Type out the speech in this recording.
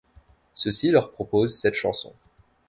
Ceux-ci leur propose cette chanson.